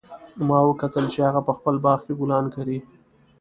ما وکتل چې هغه په خپل باغ کې ګلان کري